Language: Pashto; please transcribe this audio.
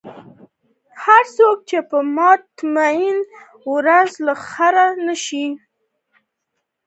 هر څوک چې په ماتمي ورځ له خره نشي راکوزېدای.